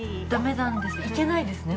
行けないですね